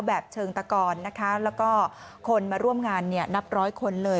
แบบเชิงตะกรนะคะแล้วก็คนมาร่วมงานเนี่ยนับร้อยคนเลย